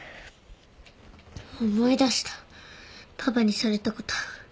思い出したパパにされたこと。